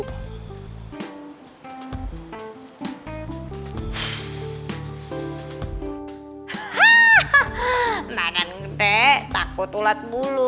hahaha manan gede takut ulet bulu